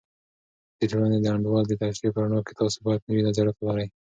د ټولنې د انډول د تشریح په رڼا کې، تاسې باید نوي نظریات ولرئ.